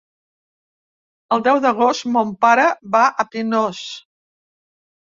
El deu d'agost mon pare va a Pinós.